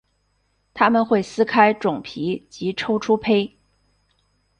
它们会撕开种皮及抽出胚。